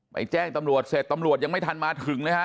ไปแจ้งตำรวจเสร็จทำรวจยังไม่ทันมาถึงเลยครับ